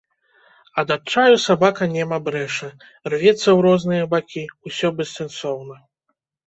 Ад адчаю сабака нема брэша, рвецца ў розныя бакі, усё бессэнсоўна.